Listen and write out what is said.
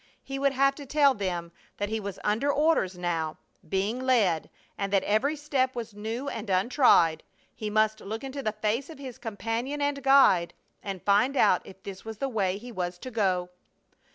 He would have had to tell them that he was under orders now, being led, and that every step was new and untried; he must look into the face of his Companion and Guide, and find out if this was the way he was to go!